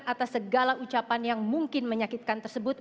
atas segala ucapan yang mungkin menyakitkan tersebut